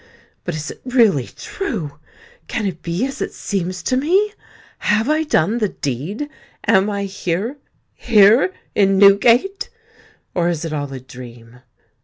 But is it really true?—can it be as it seems to me? Have I done the deed? Am I here—here, in Newgate? Or is it all a dream?